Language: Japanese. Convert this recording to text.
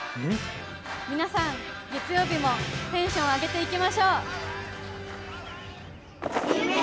皆さん、月曜日もテンション上げていきましょう。